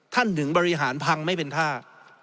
ถึงบริหารพังไม่เป็นท่า